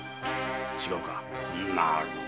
違うか？